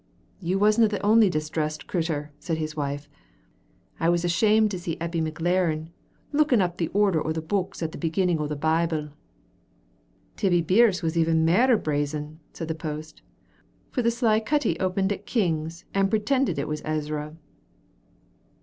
"You wasna the only distressed crittur," said his wife. "I was ashamed to see Eppie McLaren looking up the order o' the books at the beginning o' the Bible." "Tibbie Birse was even mair brazen," said the post, "for the sly cuttie opened at Kings and pretended it was Ezra."